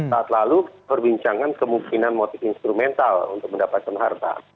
saat lalu perbincangan kemungkinan motif instrumental untuk mendapatkan harta